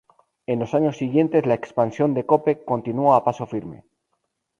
En los años siguientes, la expansión de Copec continuó a paso firme.